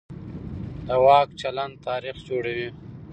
د واک چلند تاریخ جوړوي